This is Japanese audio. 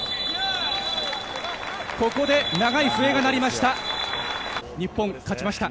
ここで長い笛が鳴りました。